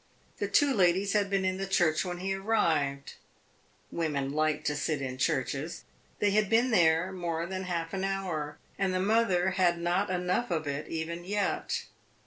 The two ladies had been in the church when he arrived; women liked to sit in churches; they had been there more than half an hour, and the mother had not enough of it even yet.